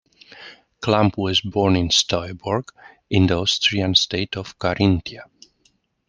Kampl was born in Steuerberg, in the Austrian state of Carinthia.